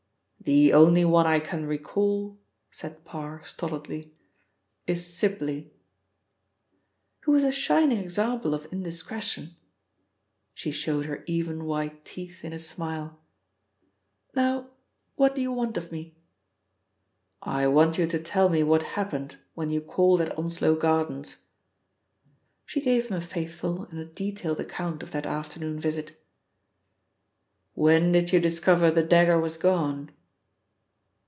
"The only one I can recall," said Parr stolidly, "is Sibly." "Who was a shining example of indiscretion." She showed her even white teeth in a smile. "Now what do you want of me?" "I want you to tell me what happened when you called at Onslow Gardens." She gave him a faithful and a detailed account of that afternoon visit. "When did you discover the dagger was gone?"